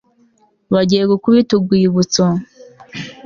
Bagiye gukubita urwibutso